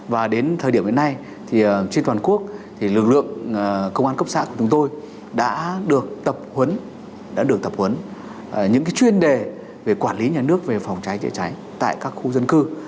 và đến thời điểm hiện nay trên toàn quốc lực lượng công an cấp xã của chúng tôi đã được tập huấn những chuyên đề về quản lý nhà nước về phòng trái trái trái tại các khu dân cư